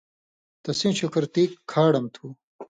تسیں شُکھرتی کھاڑم تُھو